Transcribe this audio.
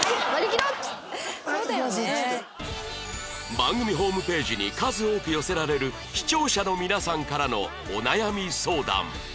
番組ホームページに数多く寄せられる視聴者の皆さんからのお悩み相談